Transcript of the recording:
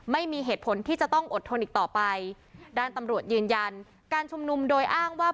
ไม่มีเหตุผลที่จะต้องอดทนอีกต่อไปด้านตำรวจยืนยันการชุมนุมโดยอ้างว่า